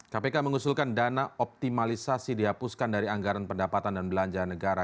kpk mengusulkan dana optimalisasi dihapuskan dari anggaran pendapatan dan belanja negara